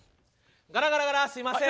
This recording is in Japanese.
ガラガラガラすいません。